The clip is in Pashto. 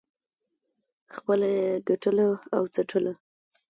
خپله یې ګټله او څټله.